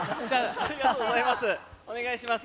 ありがとうございます。